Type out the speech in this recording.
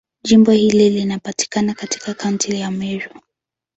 Jimbo hili linapatikana katika Kaunti ya Meru.